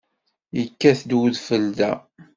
Yekkat-d udfel da?